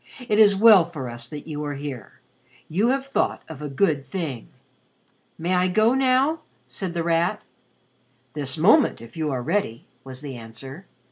"It is well for us that you are here. You have thought of a good thing." "May I go now?" said The Rat. "This moment, if you are ready," was the answer.